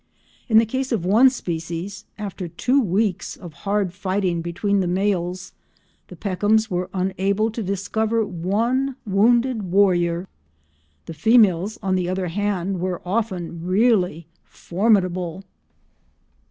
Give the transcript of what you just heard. In the case of one species, after two weeks of hard fighting between the males, the Peckhams were unable to discover one wounded warrior. The females, on the other hand, were often really formidable.